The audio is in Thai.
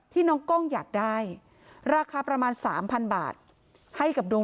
ที่น้องก้องอยากได้ราคาประมาณสามพันบาทให้กับดวง